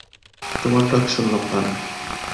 তোমার ডাক শুনলুম কানে।